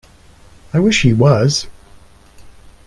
I wish he was!